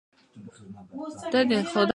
مایعات د حجرې له داخل څخه خارجيږي.